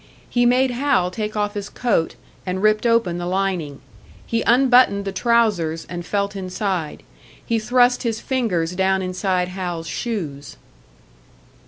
He made Hal take off his coat, and ripped open the lining; he unbuttoned the trousers and felt inside; he thrust his fingers down inside Hal's shoes.